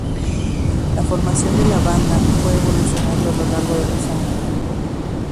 La formación de la banda fue evolucionado a lo largo de los años.